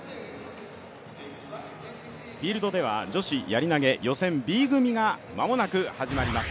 フィールドでは女子やり投予選Ｂ組が間もなく始まります。